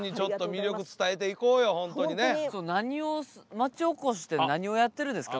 町おこしって何をやってるんですか？